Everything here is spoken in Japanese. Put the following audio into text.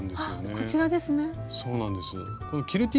こちらですね。